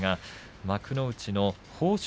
幕内の豊昇